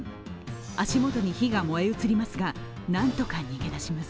足元に火が燃え移りますがなんとか逃げ出します。